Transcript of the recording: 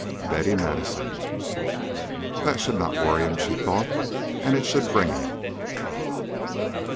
BETTY MADISON. "That should not worry him," she thought, "and it should bring him."